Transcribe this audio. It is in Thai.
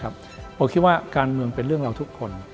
ผมคิดว่าการเมืองเป็นเรื่องเราทุกคน